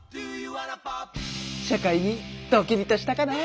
社会にドキリとしたかな？